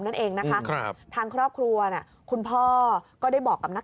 นั่นเองนะคะครับทางครอบครัวคุณพ่อก็ได้บอกกับนัก